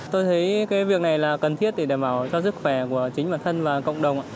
tôi thấy cái việc này là cần thiết để đảm bảo cho sức khỏe của chính bản thân và cộng đồng ạ